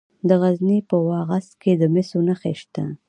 د غزني په واغظ کې د مسو نښې شته.